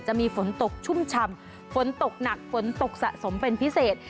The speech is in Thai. จะมีฝนตกชุ่มฉ่ำฝนตกหนักฝนตกสะสมเป็นพิเศษ